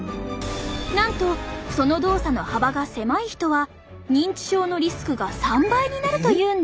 なんとその動作の幅が狭い人は認知症のリスクが３倍になるというんです。